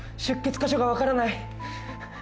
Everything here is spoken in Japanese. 出血箇所がわからない。